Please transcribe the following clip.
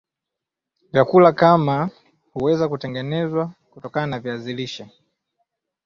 vyakula kama huweza kutengenezw kutokana na viazi lishe